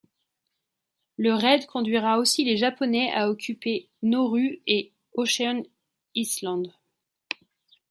Le raid conduira aussi les Japonais à occuper Nauru et Ocean island.